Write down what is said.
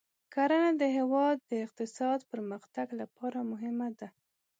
کرنه د هېواد د اقتصادي پرمختګ لپاره مهمه ده.